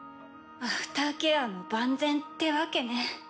アフターケアも万全ってわけね。